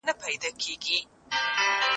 د شیدو د هضم لپاره لېکټوز انزایم اړین دی.